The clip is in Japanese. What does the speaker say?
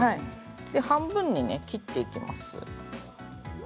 半分に切っていきます。